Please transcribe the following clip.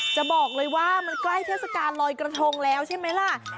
จะบอกเลยว่ามันใกล้เทศกาลลอยกระทงแล้วใช่ไหมล่ะ